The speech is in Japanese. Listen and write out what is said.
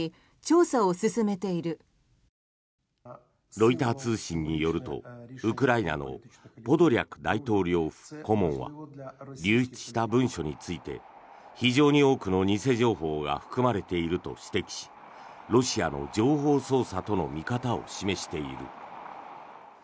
ロイター通信によるとウクライナのポドリャク大統領府顧問は流出した文書について非常に多くの偽情報が含まれていると指摘しロシアの情報操作との見方を示している。